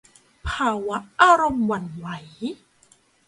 ภาวะอารมณ์หวั่นไหว